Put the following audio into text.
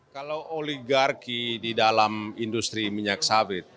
kalau oligarki di dalam industri minyak sawit